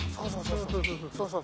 うそうそう。